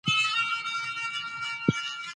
د کولمو سالم حالت د معافیت لپاره اړین دی.